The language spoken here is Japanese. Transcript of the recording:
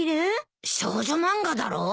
少女漫画だろう。